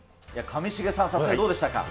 上重さん、撮影どうでしたか？